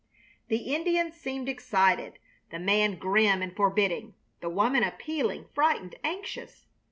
The Indians seemed excited the man grim and forbidding, the woman appealing, frightened, anxious.